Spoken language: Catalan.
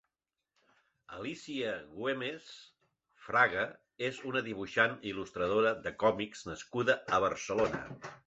Alicia Güemes Fraga és una dibuixant i il·lustradora de còmics nascuda a Barcelona.